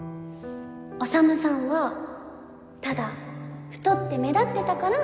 宰さんはただ太って目立ってたから